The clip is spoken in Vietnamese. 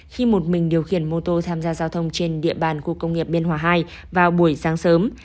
khi một mình điều khiển mô tô tham gia giao thông trên địa bàn khu công nghiệp biên hòa hai vào buổi sáng sớm